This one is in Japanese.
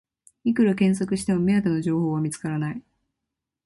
いくら検索しても目当ての情報は見つからない